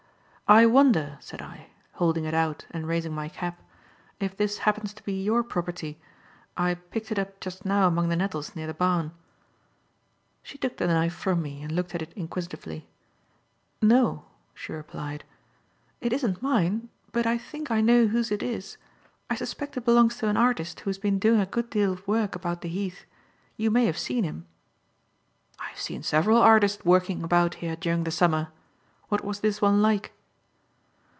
"I wonder," said I, holding it out and raising my cap, "if this happens to be your property. I picked it up just now among the nettles near the barn." She took the knife from me and looked at it inquisitively. "No," she replied, "it isn't mine, but I think I know whose it is. I suspect it belongs to an artist who has been doing a good deal of work about the Heath. You may have seen him." "I have seen several artists working about here during the summer. What was this one like?"